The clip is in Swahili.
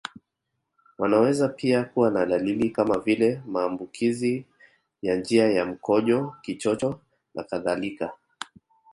Wanaweza pia kuwa na dalili kama vile maambukizi ya njia ya mkojo Kichocho nakadhalika